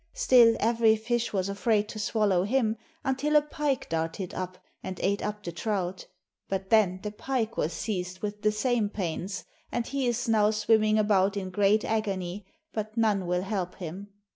Still every fish was afraid to swallow him, until a pike darted up and ate up the trout. But then the pike was seized with the same pains, and he is now swimming about in great agony, but none will help him.'